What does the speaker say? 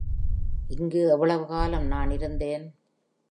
இங்கு எவ்வளவு காலம் நான் இருந்தேன்?